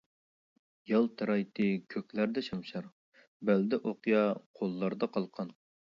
يالتىرايتتى كۆكلەردە شەمشەر، بەلدە ئوقيا قوللاردا قالقان.